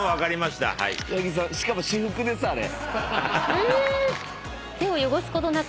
しかも私服ですあれ。